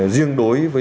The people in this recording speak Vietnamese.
riêng đối với